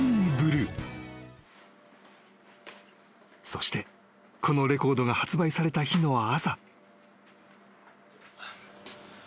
［そしてこのレコードが発売された日の朝］